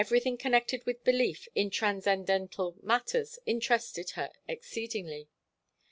Everything connected with belief in transcendental matters interested her exceedingly.